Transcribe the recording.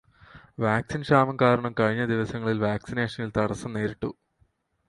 വാക്സിന് ക്ഷാമം കാരണം കഴിഞ്ഞ ദിവസങ്ങളില് വാക്സിനേഷനില് തടസം നേരിട്ടു.